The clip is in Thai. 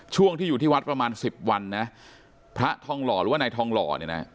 ช่วงที่อยู่ที่วัดประมาณสิบวันนะพระทองหล่อหรือว่านายทองหล่อเนี่ยนะ